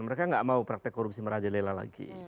mereka gak mau praktek korupsi meraja lela lagi